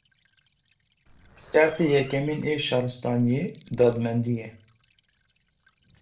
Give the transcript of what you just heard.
Şertê yekemîn ê şaristaniyê, dadmendî ye.